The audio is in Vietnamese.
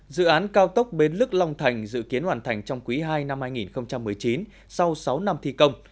dự án cao tốc bến lức long thành dự kiến hoàn thành trong quý ii năm hai nghìn một mươi chín sau sáu năm thi công